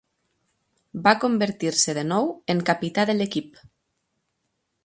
Va convertir-se de nou en capità de l'equip.